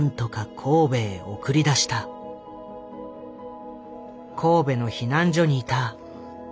神戸の避難所にいた小澤昌甲。